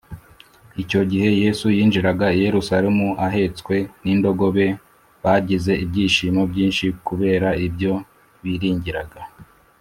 ” icyo gihe yesu yinjiraga i yerusalemu ahetswe n’indogobe, bagize ibyishimo byinshi kubera ibyo biringiraga